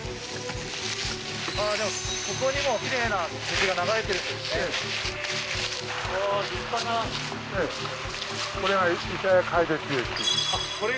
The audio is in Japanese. でも、ここにもきれいな水が流れているんですね。